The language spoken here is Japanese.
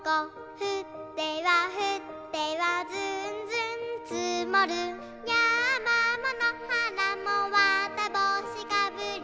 「ふってはふってはずんずんつもる」「やまものはらもわたぼうしかぶり」